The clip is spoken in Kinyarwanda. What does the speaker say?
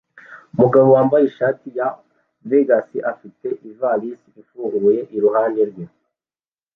Umugabo wambaye ishati ya Vegas afite ivalisi ifunguye iruhande rwe